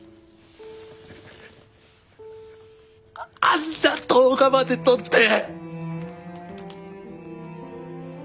あんな動画まで撮って。